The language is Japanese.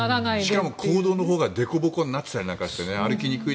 しかも公道のほうがでこぼこになっていたり歩きにくい。